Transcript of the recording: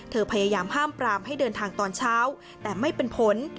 พยายามห้ามปรามให้เดินทางตอนเช้าแต่ไม่เป็นผล